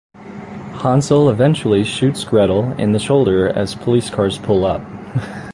Hansel eventually shoots Gretel in the shoulder as police cars pull up.